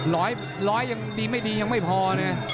ร้อยยังดีไม่ดียังไม่พอนะ